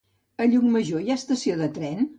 A Llucmajor hi ha estació de tren?